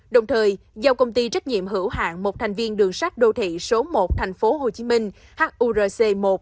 đồng thời giao công ty trách nhiệm hữu hạng một thành viên đường sát đô thị số một tp hcm hurc một